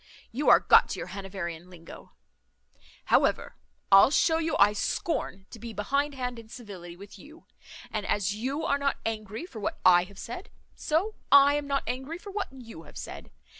You are got to your Hanoverian linguo. However, I'll shew you I scorn to be behind hand in civility with you; and as you are not angry for what I have said, so I am not angry for what you have said.